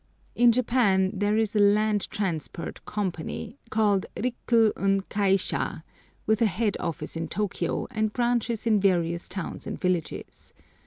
In Japan there is a Land Transport Company, called Riku un kaisha, with a head office in Tôkiyô, and branches in various towns and villages.